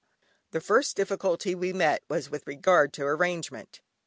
The first difficulty we met with was with regard to arrangement.